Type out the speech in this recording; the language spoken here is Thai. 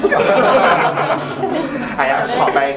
อุ้ยเพราะว่ามีแอลไวน์เดอร์